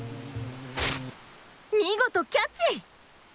見事キャッチ！